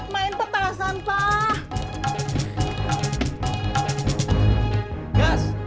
main petasan pak